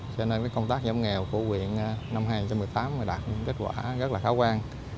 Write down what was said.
cho nên công tác giảm nghèo của quyện năm hai nghìn một mươi tám đạt kết quả rất là khả quan